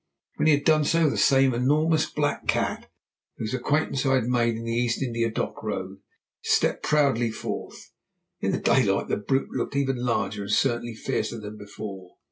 When he had done so, the same enormous black cat, whose acquaintance I had made in the East India Dock Road, stepped proudly forth. In the daylight the brute looked even larger and certainly fiercer than before.